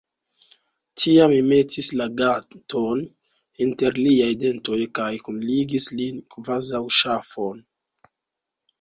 Tiam mi metis la ganton inter liaj dentoj kaj kunligis lin, kvazaŭ ŝafon.